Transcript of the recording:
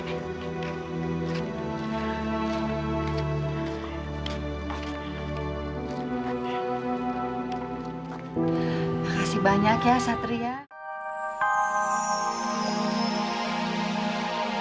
terima kasih banyak ya satria